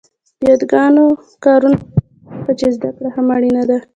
د یاګانو کارونه ډېره ده ځکه يې زده کړه هم اړینه ده